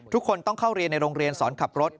ทุกคนต้องเข้าเรียนในโรงเรียนสอนขับรถ